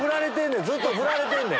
ずっとフラれてんねん！